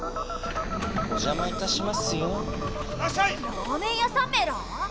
ラーメンやさんメラ？